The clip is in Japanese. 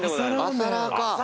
朝ラーか！